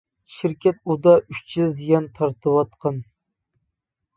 شىركەت ئۇدا ئۈچ يىل زىيان تارتىۋاتقان.